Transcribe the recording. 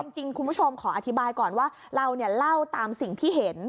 จริงคุณผู้ชมขออธิบายก่อนว่าเราเล่าตามสิ่งที่เห็น